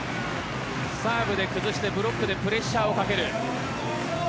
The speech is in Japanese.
サーブで崩してブロックでプレッシャーをかける。